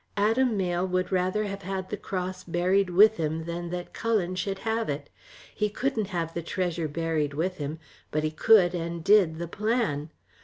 Adam Mayle would rather have had the cross buried with him than that Cullen should have it. He couldn't have the treasure buried with him, but he could and did the plan.